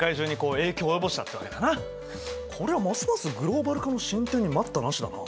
これはますますグローバル化の進展に待ったなしだな。